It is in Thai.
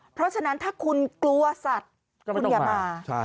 เพราะฉะนั้นถ้าคุณกลัวสัตว์ก็ไม่ต้องมา